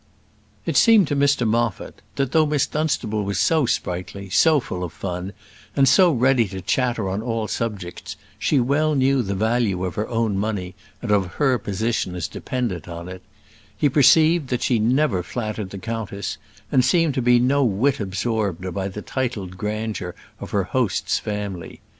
It seemed to Mr Moffat, that though Miss Dunstable was so sprightly, so full of fun, and so ready to chatter on all subjects, she well knew the value of her own money, and of her position as dependent on it: he perceived that she never flattered the countess, and seemed to be no whit absorbed by the titled grandeur of her host's family.